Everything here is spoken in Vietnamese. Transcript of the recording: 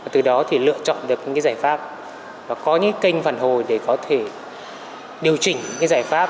từ đó thì lựa chọn được những giải pháp và có những kênh phản hồi để có thể điều chỉnh những giải pháp